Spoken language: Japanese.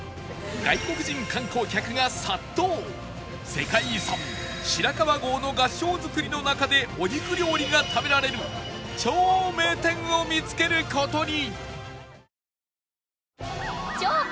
世界遺産白川郷の合掌造りの中でお肉料理が食べられる超名店を見つける事に！